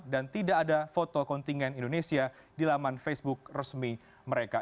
dan tidak ada foto kontingen indonesia di laman facebook resmi mereka